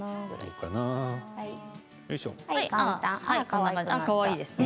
かわいいですね。